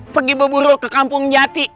pergi berburu ke kampung jati